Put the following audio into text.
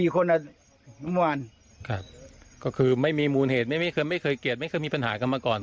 ก็คือไม่มีมูลเหตุไม่เคยเกลียดไม่เคยมีปัญหากันมาก่อน